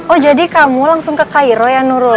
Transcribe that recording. oh jadi kamu langsung ke cairo ya nurul